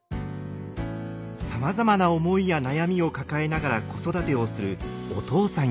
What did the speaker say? さまざまな思いや悩みを抱えながら子育てをするお父さんやお母さん。